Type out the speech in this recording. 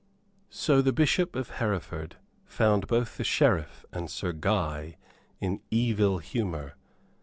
So the Bishop of Hereford found both the Sheriff and Sir Guy in evil humor.